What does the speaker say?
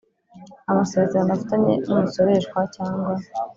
Amasezerano afitanye n umusoreshwa cyangwa